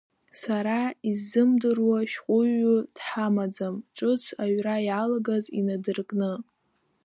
Сара исзымдыруа шәҟәыҩҩы дҳамаӡам, ҿыц аҩра иалагаз инадыркны.